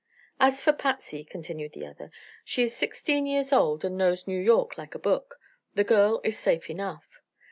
"As for Patsy," continued the other, "she is sixteen years old and knows New York like a book. The girl is safe enough."